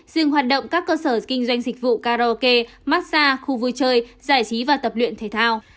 dừng hoạt động các cơ sở kinh doanh dịch vụ karaoke massage khu vui chơi giải trí và tập luyện thể thao